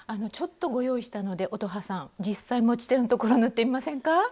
ちょっとご用意したので乙葉さん実際持ち手のところ縫ってみませんか。